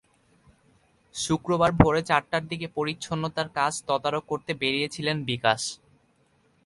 শুক্রবার ভোরে চারটার দিকে পরিচ্ছন্নতার কাজ তদারক করতে বেরিয়ে ছিলেন বিকাশ।